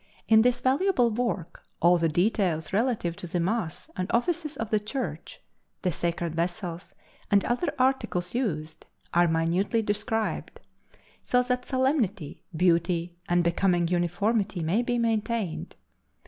In this valuable work all the details relative to the Mass and offices of the Church, the sacred vessels and other articles used are minutely described, so that solemnity, beauty and becoming uniformity may be maintained.